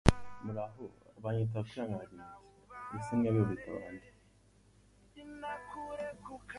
A famous cabaret star was at the next table.